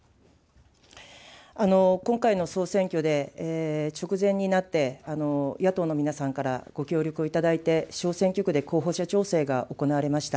今回の総選挙で直前になって野党の皆さんから、ご協力をいただいて、小選挙区で候補者調整が行われました。